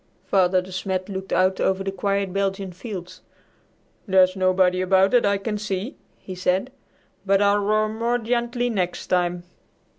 Father De Smet looked out over the quiet Belgian fields. "There's nobody about that I can see," he said, "but I'll roar more gently next time."